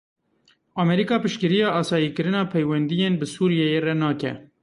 Amerîka piştgiriya asayîkirina peywendiyên bi Sûriyeyê re nake.